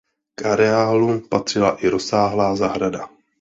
K areálu patřila i rozsáhlá zahrada.